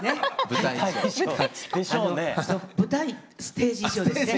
舞台ステージ衣装ですね。